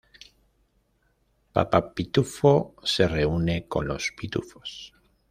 Papá Pitufo se reúne con los pitufos.